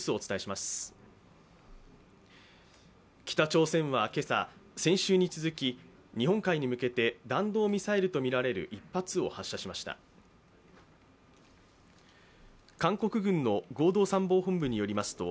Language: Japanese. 北朝鮮は今朝、先週に続き日本海に向けて弾道ミサイルとみられる１発を発射しまし。